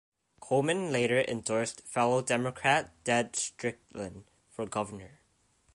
Coleman later endorsed fellow Democrat Ted Strickland for governor.